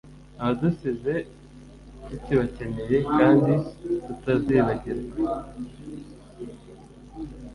abadusize tukibakeneye kandi tutazibagirwa